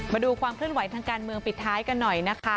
มาดูความเคลื่อนไหวทางการเมืองปิดท้ายกันหน่อยนะคะ